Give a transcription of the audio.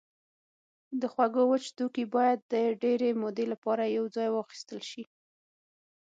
د خوړو وچ توکي باید د ډېرې مودې لپاره یوځای واخیستل شي.